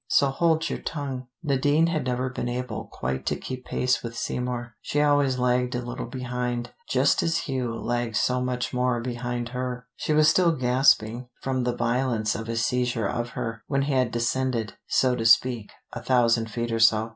So hold your tongue." Nadine had never been able quite to keep pace with Seymour: she always lagged a little behind, just as Hugh lagged so much more behind her. She was still gasping from the violence of his seizure of her, when he had descended, so to speak, a thousand feet or so.